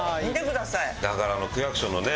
だから区役所のね